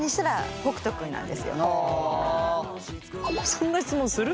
そんな質問する？